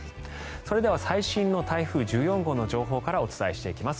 それでは最新の台風１４号の情報からお伝えしていきます。